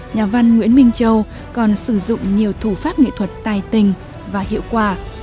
nhà văn nguyễn minh châu còn sử dụng nhiều thủ pháp nghệ thuật tài tình và hiệu quả